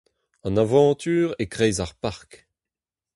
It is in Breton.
An avantur e-kreiz ar park.